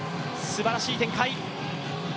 すばらしい展開。